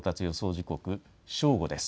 時刻正午です。